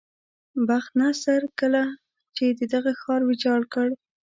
بخت نصر کله چې دغه ښار ویجاړ کړ.